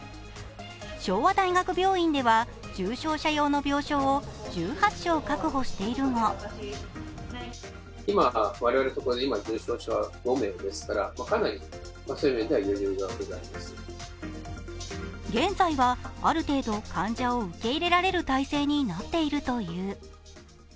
昭和大学病院では、重症者用の病床を１８床確保しているが現在は、ある程度患者を受け入れられる体制になっているという。